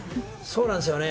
そうなんですよね。